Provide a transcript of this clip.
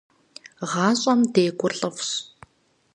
ГъашӀэм декӀур лӀыфӀщ.